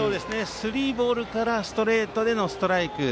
スリーボールからストレートでのストライク。